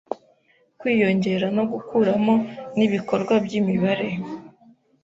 Kwiyongera no gukuramo nibikorwa byimibare.